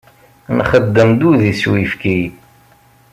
Nxeddem-d udi s uyefki.